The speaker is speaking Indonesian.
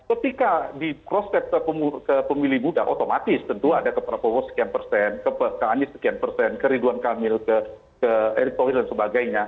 ketika di cross check ke pemilih muda otomatis tentu ada ke prabowo sekian persen ke anies sekian persen ke ridwan kamil ke erick thohir dan sebagainya